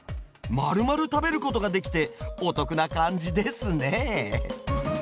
まるまる食べることができてお得な感じですね